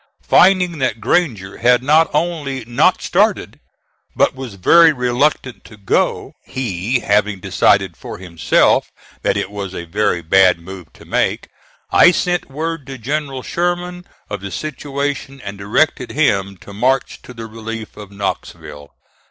Finding that Granger had not only not started but was very reluctant to go, he having decided for himself that it was a very bad move to make, I sent word to General Sherman of the situation and directed him to march to the relief of Knoxville.